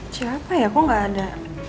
siapa ya kok gak ada